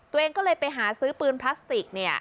ตัวเองก็เลยไปหาซื้อปืนพลาสติก